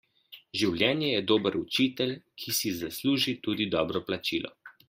Življenje je dober učitelj, ki si zasluži tudi dobro plačilo.